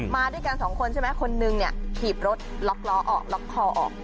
มาด้วยกัน๒คนใช่ไหมคนนึงขี่บรถล็อคล้อออกล็อคคอออก